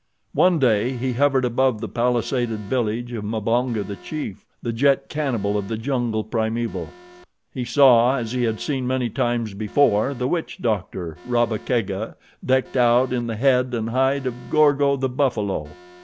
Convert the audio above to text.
One day he hovered above the palisaded village of Mbonga, the chief, the jet cannibal of the jungle primeval. He saw, as he had seen many times before, the witch doctor, Rabba Kega, decked out in the head and hide of Gorgo, the buffalo.